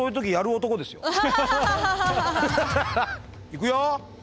いくよ！